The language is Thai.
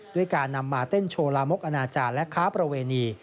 ด้วยการนำมาเต้นโชว์ลามกอนาจารย์และค้าประเวณี